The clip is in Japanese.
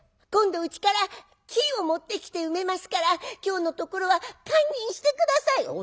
今度うちから木を持ってきて埋めますから今日のところは堪忍して下さい」。